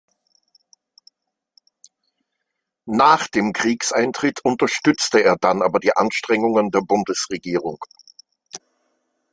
Nach dem Kriegseintritt unterstützte er dann aber die Anstrengungen der Bundesregierung.